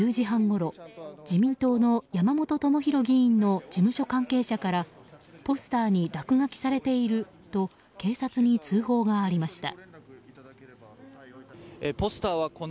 今日午前１０時半ごろ自民党の山本朋広議員の事務所関係者からポスターに落書きされていると警察に通報がありました